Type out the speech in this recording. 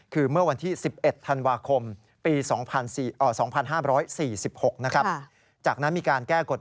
คือเมื่อวันที่๑๑ธันวาคมปี๒๕๔๖นะครับ